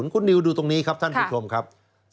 คุณนิวดูตรงนี้ครับท่านผู้ชมครับ